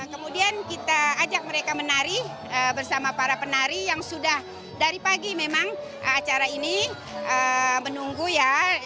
kemudian kita ajak mereka menari bersama para penari yang sudah dari pagi memang acara ini menunggu ya